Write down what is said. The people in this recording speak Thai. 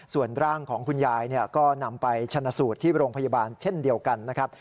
ส่วนร่างของคุณยายก็นำไปชนะสูตรที่โรงพยาบาลเช่นเดียวกันนะครับ